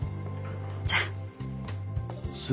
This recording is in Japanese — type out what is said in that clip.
じゃあ。